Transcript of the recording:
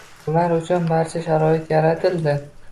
Ular uchun barcha sharoit yaratildi